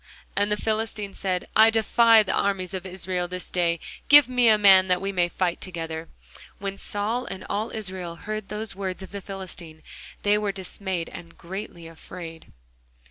And the Philistine said, I defy the armies of Israel this day; give me a man, that we may fight together. When Saul and all Israel heard those words of the Philistine, they were dismayed, and greatly afraid.